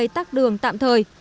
tắt đường tạm thời